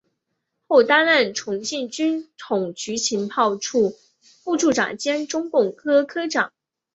后担任重庆军统局情报处副处长兼中共科科长。